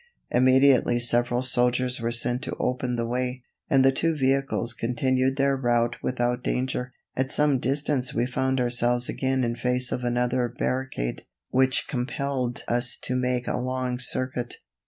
Immediately several soldiers were sent to open the way, and the two vehicles continued their route without danger. At some distance we found ourselves again in face of another barricade, which compelled us to make a long circuit.